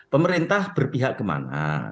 pemerintah berpihak kemana